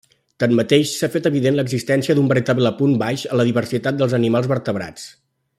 Tanmateix, s’ha fet evident l’existència d’un veritable punt baix en la diversitat dels animals vertebrats.